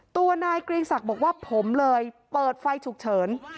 ตัวนายเกรียงศักดิ์บอกว่าผมเลยเปิดไฟฉุกเฉิน